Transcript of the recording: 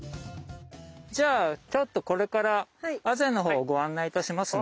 じゃあちょっとこれからあぜのほうご案内いたしますね。